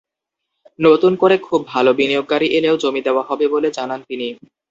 নতুন করে খুব ভালো বিনিয়োগকারী এলেও জমি দেওয়া হবে বলে জানান তিনি।